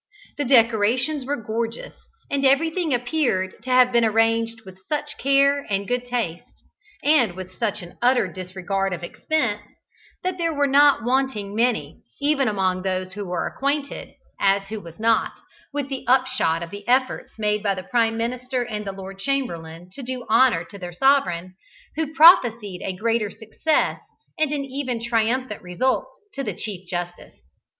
The decorations were gorgeous, and everything appeared to have been arranged with such care and good taste, and with such an utter disregard of expense, that there were not wanting many, even among those who were acquainted (as who was not) with the upshot of the efforts made by the Prime Minister and the Lord Chamberlain to do honour to their sovereign, who prophesied a greater success and even a triumphant result to the Chief Justice.